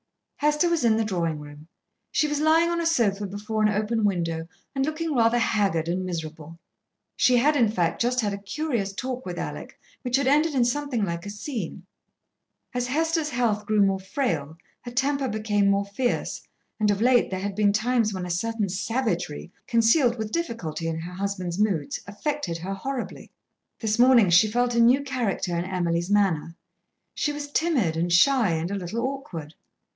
Hester was in the drawing room. She was lying on a sofa before an open window and looking rather haggard and miserable. She had, in fact, just had a curious talk with Alec which had ended in something like a scene. As Hester's health grew more frail, her temper became more fierce, and of late there had been times when a certain savagery, concealed with difficulty in her husband's moods, affected her horribly. This morning she felt a new character in Emily's manner. She was timid and shy, and a little awkward.